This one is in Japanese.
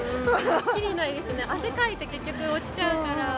きりないですよね、汗かいて、結局、落ちちゃうから。